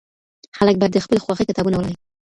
خلګ بايد د خپلي خوښې کتابونه ولولي.